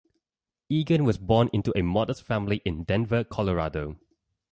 Eagan was born into a modest family in Denver, Colorado.